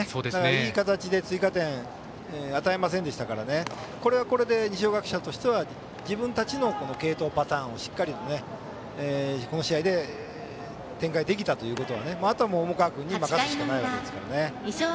いい形で追加点を与えませんでしたからこれはこれで二松学舎としては自分たちの継投パターンをこの試合で展開できたということはあとは、重川君に任せるしかないですから。